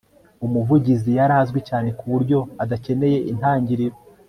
umuvugizi yari azwi cyane kuburyo adakeneye intangiriro